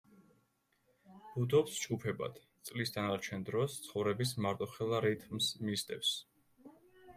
ბუდობს ჯგუფებად, წლის დანარჩენ დროს ცხოვრების მარტოხელა რითმს მისდევს.